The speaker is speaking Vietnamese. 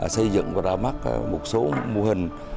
xây dựng và ra mắt một số mô hình